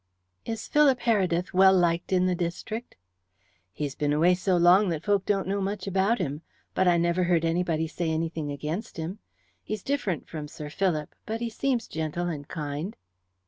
"Is Philip Heredith well liked in the district?" "He's been away so long that folk don't know much about him. But I never heard anybody say anything against him. He's different from Sir Philip, but he seems gentle and kind."